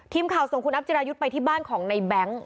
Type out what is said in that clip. ทีมข่าวส่งคุณอัพจิรายุทธ์ไปที่บ้านของในแบงค์